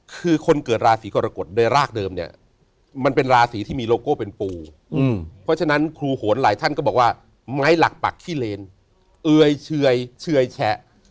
คือคนเกิดราศีกรกฎโดยรากเดิมเนี่ยมันเป็นราศีที่มีโลโก้เป็นปูเพราะฉะนั้นครูโหนหลายท่านก็บอกว่าไม้หลักปักขี้เลนเอยเชยแฉะ